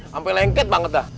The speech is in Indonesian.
sampai lengket banget ta